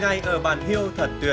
tôi chưa có thể nhìn thấy khu vườn